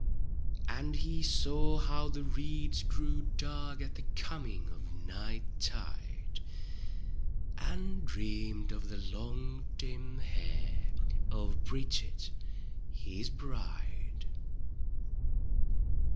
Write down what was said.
And he saw how the reeds grew dark At the coming of night tide. And dreamed of the long dim hair Of Bridget his bride.